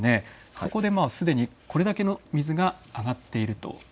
そこですでにこれだけの水が上がっていると。